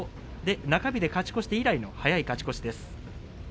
中日で勝ち越して以来の早い勝ち越しです。